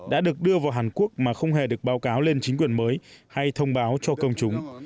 đã được đưa vào hàn quốc mà không hề được báo cáo lên chính quyền mới hay thông báo cho công chúng